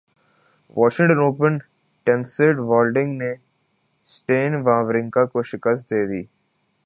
Washington open tennis Donald Young نے Stan Wawrinka کو شکست دیدی